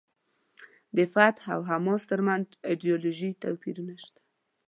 د فتح او حماس ترمنځ ایډیالوژیکي توپیرونه شته.